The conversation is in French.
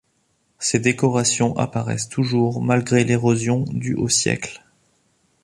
Ces décorations apparaissent toujours malgré l'érosion due aux siècles.